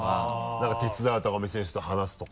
なんか手伝うとかお店の人と話すとか。